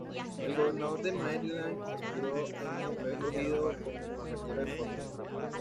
El gobernador de Maryland Spiro Agnew fue escogido como compañero de fórmula.